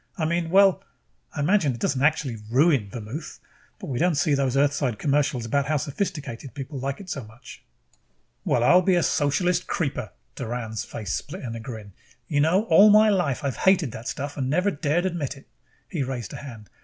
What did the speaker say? I mean well, I imagine it doesn't absolutely ruin vermouth. But we don't see those Earthside commercials about how sophisticated people like it so much." "Well, I'll be a socialist creeper!" Doran's face split in a grin. "You know, all my life I've hated the stuff and never dared admit it!" He raised a hand.